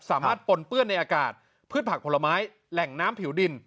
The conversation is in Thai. ปนเปื้อนในอากาศพืชผักผลไม้แหล่งน้ำผิวดิน